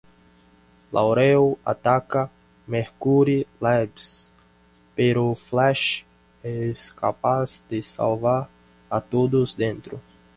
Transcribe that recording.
Laurel ataca Mercury Labs, pero Flash es capaz de salvar a todos dentro.